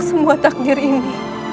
semua takdir ini